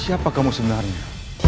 siapa kamu sebenarnya